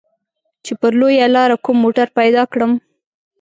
چې پر لويه لاره کوم موټر پيدا کړم.